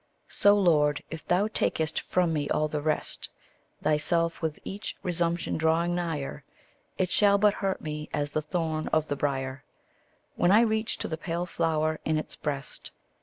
So, Lord, if thou tak'st from me all the rest, Thyself with each resumption drawing nigher, It shall but hurt me as the thorn of the briar, When I reach to the pale flower in its breast.